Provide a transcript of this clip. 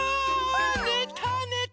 ねたねた！